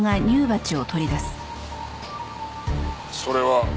それは？